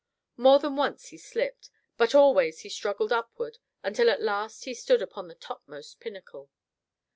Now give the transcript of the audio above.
More than once he slipped, but always he struggled upward until at last he stood upon the topmost pinnacle.